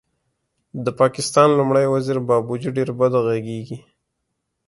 د پاکستان لومړی وزیر بابوجي ډېر بد غږېږي